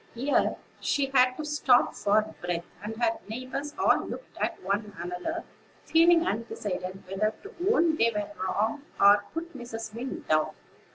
Here she had to stop for breath; and her neighbors all looked at one another, feeling undecided whether to own they were wrong, or to put Mrs. Wing down.